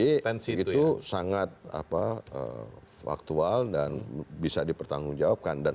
pernyataan pak sby itu sangat faktual dan bisa dipertanggung jawabkan